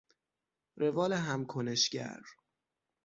روال هم کنشگر